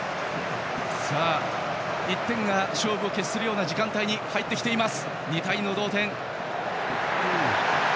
１点が勝負を決する時間帯に入ってきています。